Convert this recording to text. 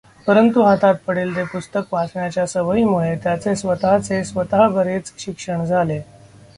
परंतु हातात पडेल ते पुस्तक वाचण्याच्या सवयीमुळे त्याचे स्वतःचे स्वतः बरेच शिक्षण झाले.